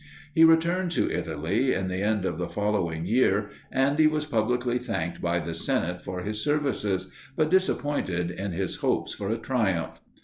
He returned to Italy in the end of the following year, and he was publicly thanked by the senate for his services, but disappointed in his hopes for a triumph.